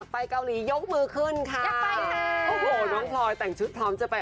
เกาหลียกมือขึ้นค่ะโอ้โหน้องพลอยแต่งชุดพร้อมจะไป